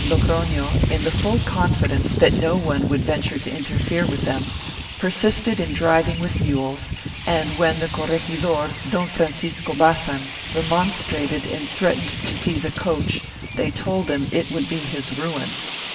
V] ABUSES 531 Logrofio, in the full confidence that no one would venture to interfere with them, persisted in driving with mules and when the corregidor, Don Francisco Bazan, remonstrated and threat ened to seize a coach, they told him it would be his ruin.